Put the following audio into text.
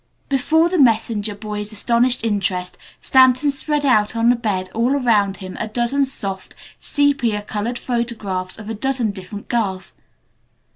Before the messenger boy's astonished interest Stanton spread out on the bed all around him a dozen soft sepia colored photographs of a dozen different girls.